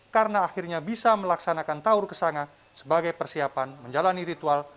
karena akhirnya bisa melaksanakan taur kesangan sebagai persiapan menjalani ritual